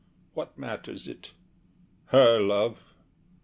What matters it? HER love!